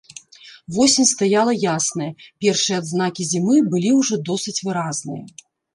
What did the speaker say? Восень стаяла ясная, першыя адзнакі зімы былі ўжо досыць выразныя.